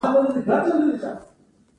په بازار کې د بوټانو بیه بیا ځلي لوړه کېږي